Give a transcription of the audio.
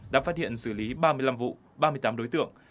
đã phát hiện xử lý ba mươi năm vụ ba mươi tám đối tượng